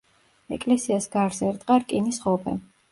ეკლესიას გარს ერტყა რკინის ღობე.